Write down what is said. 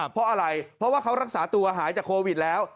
เพราะอะไรเพราะว่าเขารักษาตัวหายจากโควิดแล้ว